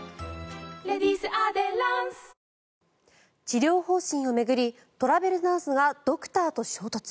治療方針を巡りトラベルナースがドクターと衝突。